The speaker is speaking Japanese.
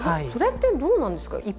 それってどうなんですか？